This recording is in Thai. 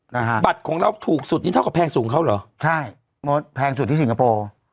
นะฮะบัตรของเราถูกสุดนี่เท่ากับแพงสูงเขาเหรอใช่แพงสุดที่สิงคโปร์